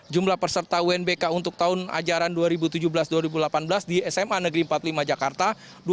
jumlah peserta unbk untuk tahun ajaran dua ribu tujuh belas dua ribu delapan belas di sma negeri empat puluh lima jakarta